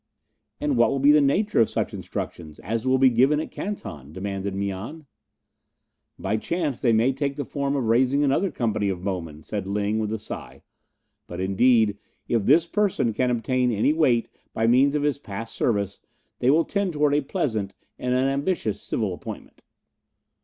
"And what will be the nature of such instructions as will be given at Canton?" demanded Mian. "By chance they may take the form of raising another company of bowmen," said Ling, with a sigh, "but, indeed, if this person can obtain any weight by means of his past service, they will tend towards a pleasant and unambitious civil appointment."